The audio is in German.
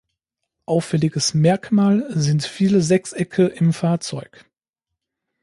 Auffälliges Merkmal sind viele Sechsecke im Fahrzeug.